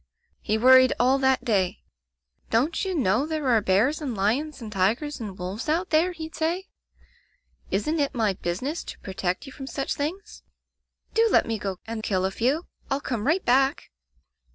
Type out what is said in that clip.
"He worried all that day. 'Don't you know there are bears and lions and tigers and wolves out there?' he'd say —* Isn't it my business to protect you from such things ? Do let me go and kill a few. I'll come right back!'